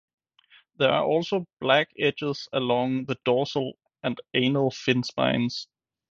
There are also black edges along the dorsal and anal fin spines.